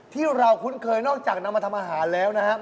ที่เราคุ้นเคยนอกจากนำมาทำอาหารแล้วนะครับ